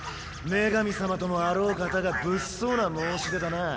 女神様ともあろう方が物騒な申し出だなぁ。